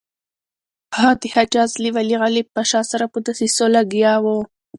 هغه د حجاز له والي غالب پاشا سره په دسیسو لګیا وو.